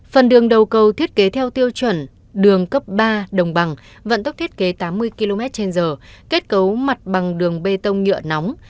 phần đường đầu cầu thiết kế theo tiêu chuẩn đường cấp ba đồng bằng vận tốc thiết kế tám mươi km trên giờ kết cấu mặt bằng đường bê tông nhựa nóng